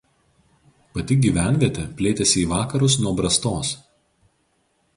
Pati gyvenvietė plėtėsi į vakarus nuo brastos.